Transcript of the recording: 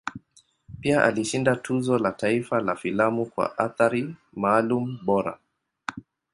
Pia alishinda Tuzo la Taifa la Filamu kwa Athari Maalum Bora.